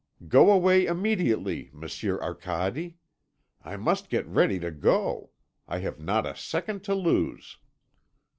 Go away immediately, Monsieur Arcade. I must get ready to go. I have not a second to lose."